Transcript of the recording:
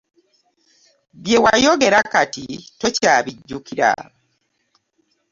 Bye wayogera kati tokyabijjukira.